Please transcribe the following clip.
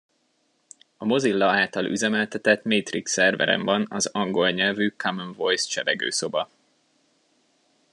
A Mozilla által üzemeltetett Matrix szerveren van az angol nyelvű Common Voice csevegőszoba.